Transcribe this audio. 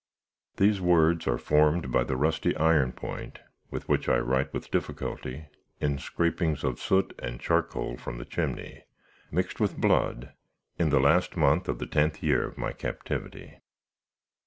"These words are formed by the rusty iron point with which I write with difficulty in scrapings of soot and charcoal from the chimney, mixed with blood, in the last month of the tenth year of my captivity.